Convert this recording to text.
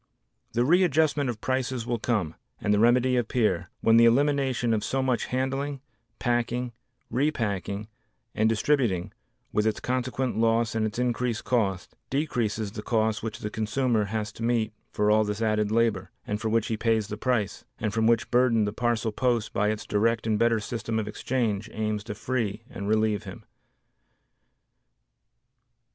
The readjustment of prices will come, and the remedy appear, when the elimination of so much handling, packing, repacking and distributing with its consequent loss and its increased cost, decreases the cost which the consumer has to meet for all this added labor, and for which he pays the price, and from which burden the parcel post by its direct and better system of exchange aims to free and relieve him.